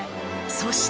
そして。